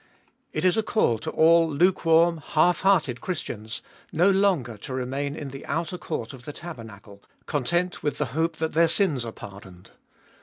It is a call to all lukewarm, half hearted Christians, no longer to remain in the outer court of the tabernacle, content with the hope that 1 Holiest. 23 354 Gbe fboliest of Hit their sins are pardoned.